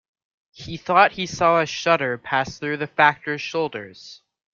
He thought he saw a shudder pass through the Factor's shoulders.